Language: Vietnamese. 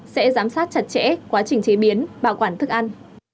sẽ giám sát chặt chẽ quá trình chế biến bảo quản thức ăn